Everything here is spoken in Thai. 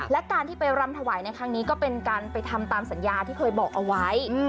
และการที่ไปรำถวายในครั้งนี้ก็เป็นการไปทำตามสัญญาที่เคยบอกเอาไว้